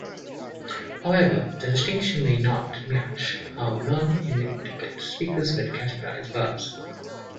However, the distinction may not match how non-Inuktitut speakers would categorise verbs.